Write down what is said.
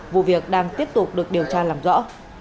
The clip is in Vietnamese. vụ việc đang tiếp tục được điều tra làm rõ